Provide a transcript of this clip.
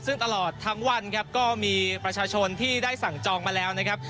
ซึ่งตลอดทั้งวันครับก็มีประชาชนที่ได้สั่งจองมาแล้วนะครับ